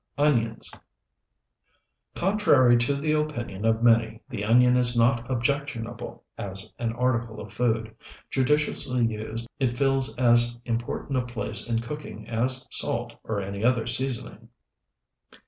ONIONS Contrary to the opinion of many, the onion is not objectionable as an article of food. Judiciously used it fills as important a place in cooking as salt or any other seasoning.